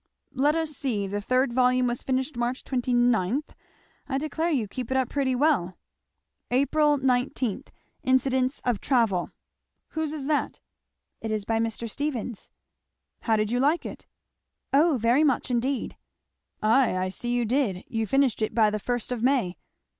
"Let us see the third volume was finished March 29 I declare you keep it up pretty well." 'Ap. 19. Incidents of Travel' "Whose is that?" "It is by Mr. Stephens." "How did you like it?" "O very much indeed." "Ay, I see you did; you finished it by the first of May.